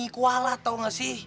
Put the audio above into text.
kualat tau gak sih